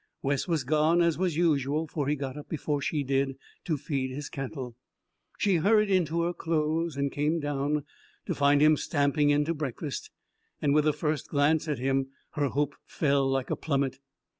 Wes was gone, as was usual, for he got up before she did, to feed his cattle. She hurried into her clothes and came down, to find him stamping in to breakfast, and with the first glance at him her hope fell like a plummet.